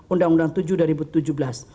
undang undang tujuh dua ribu tujuh belas